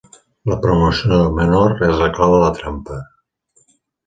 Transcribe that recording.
La promoció menor és la clau de la trampa.